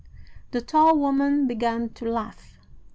"The tall woman began to laugh.